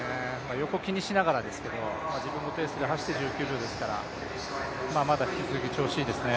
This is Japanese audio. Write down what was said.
横を気にしながらですけれども、自分のペースで走って１９秒ですから、まだ引き続き調子いいですね。